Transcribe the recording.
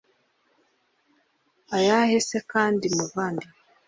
ayahe se kandi muvandi